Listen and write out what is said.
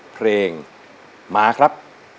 เพลงมาครับ